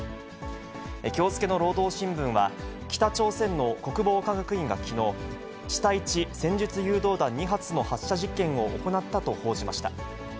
きょう付けの労働新聞は、北朝鮮の国防科学院がきのう、地対地戦術誘導弾２発の発射実験を行ったと報じました。